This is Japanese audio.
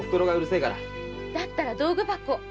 だったら道具箱。